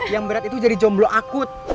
yang berat itu jadi jomblo akut